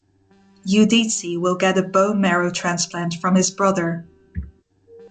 Udeze will get a bone marrow transplant from his brother.